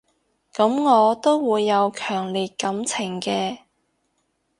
噉我都會有強烈感情嘅